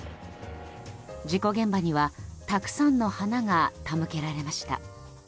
事故現場にはたくさんの花が手向けられました。